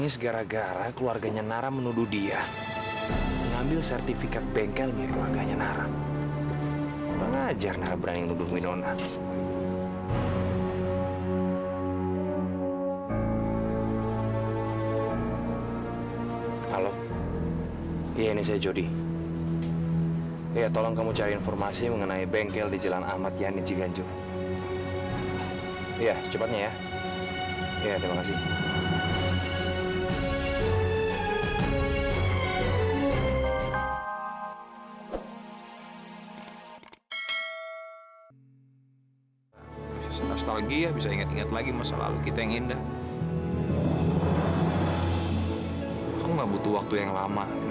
sampai jumpa di video selanjutnya